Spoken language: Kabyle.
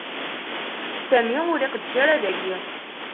Sami ur iqeddec ara dagi.